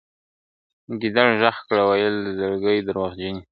ګیدړ ږغ کړه ویل زرکي دورغجني !.